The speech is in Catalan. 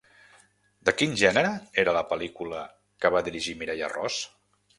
De quin gènere era la pel·lícula que va dirigir Mireia Ros?